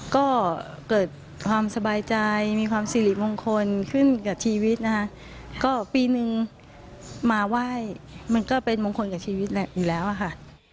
ก็เกิดความสบายใจมีความสิริมงคลขึ้นกับชีวิตนะคะก็ปีนึงมาไหว้มันก็เป็นมงคลกับชีวิตแหละอยู่แล้วอะค่ะ